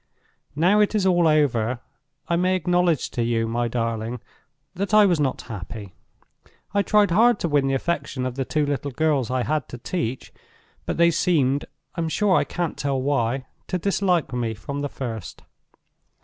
"Now it is all over I may acknowledge to you, my darling, that I was not happy. I tried hard to win the affection of the two little girls I had to teach; but they seemed, I am sure I can't tell why, to dislike me from the first.